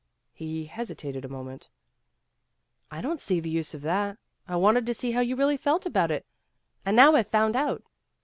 He hesitated a moment. " I don 't see the use of that. I wanted to see how you really felt about it, and now IVe found out."